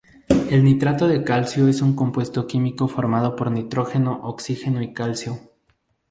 El nitrato de calcio es un compuesto químico formado por nitrógeno, oxígeno y calcio.